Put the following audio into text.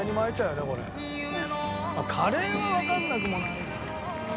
カレーはわからなくもないな。